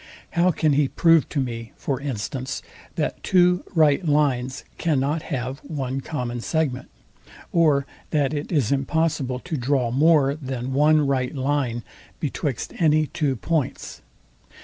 How can he prove to me, for instance, that two right lines cannot have one common segment? Or that it is impossible to draw more than one right line betwixt any two points?